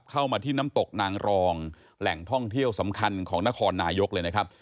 เข้ามาที่น้ำตกนางรองแหล่งท่องเที่ยวสำคัญของนครนายกเลยนะครับ